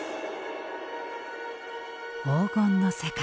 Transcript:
黄金の世界。